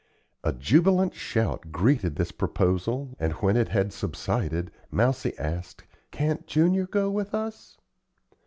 A jubilant shout greeted this proposal, and when it had subsided, Mousie asked, "Can't Junior go with us?"